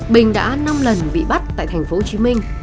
bình đã năm lần bị bắt tại thành phố hồ chí minh